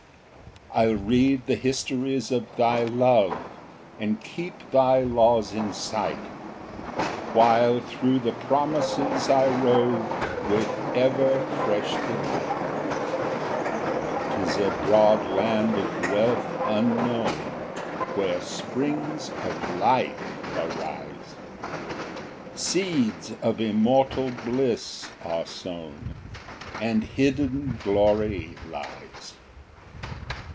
2 I'll read the histories of thy love, And keep thy laws in sight, While thro' the promises I rove, With ever fresh delight. 3 'Tis a broad land of wealth unknown Where springs of life arise, Seeds of immortal bliss are sown, And hidden glory lies.